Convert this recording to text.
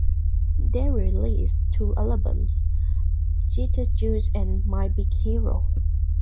They released two albums, "Jitterjuice" and "My Big Hero".